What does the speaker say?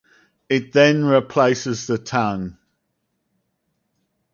It then replaces the tongue.